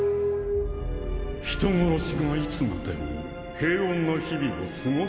人殺しがいつまでも平穏な日々を過ごせるとでも？